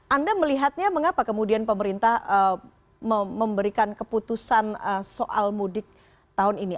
anda melihatnya mengapa kemudian pemerintah memberikan keputusan soal mudik tahun ini